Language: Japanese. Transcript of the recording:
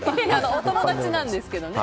お友達なんですけどね。